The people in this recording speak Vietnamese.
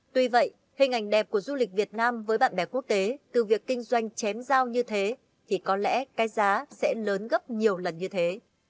tuy vậy hình ảnh đẹp của du lịch việt nam với bạn bè quốc tế từ việc kinh doanh chém dao như thế thì có lẽ cái giá sẽ lớn gấp nhiều lần như thế